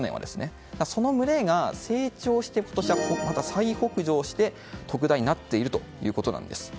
その群れが成長して今年は再北上して特大になっているということです。